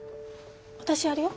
私やるよ。